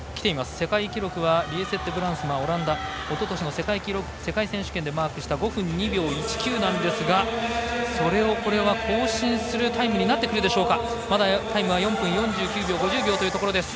世界記録はリエセッテ・ブランスマオランダおととしの世界選手権でマークした５分２秒１９ですがそれを更新するタイムになってくるでしょうか。